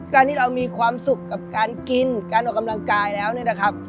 การที่เรามีความสุขกับการกินการออกกำลังกายแล้วเนี่ยนะครับ